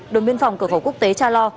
đồng biên phòng cửa khẩu quốc tế cha lo